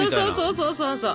そうそうそう。